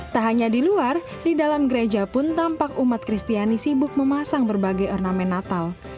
tak hanya di luar di dalam gereja pun tampak umat kristiani sibuk memasang berbagai ornamen natal